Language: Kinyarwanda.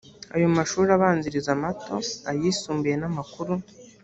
ayo mashuri abanziriza amato, ayisumbuye n’amakuru